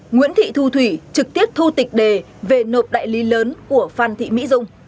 nguyễn thị thu thủy trực tiếp thu tịch đề về nộp đại lý lớn của phan thị mỹ dung